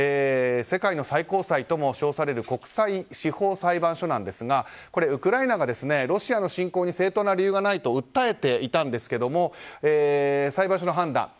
世界の最高裁とも称される国際司法裁判所ですがウクライナがロシアの侵攻に正当な理由がないと訴えていたんですが裁判所の判断。